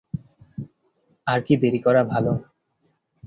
আর কি দেরি করা ভালো?